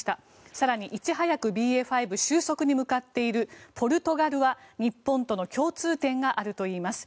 更にいち早くＢＡ．５収束に向かっているポルトガルは日本との共通点があるといいます。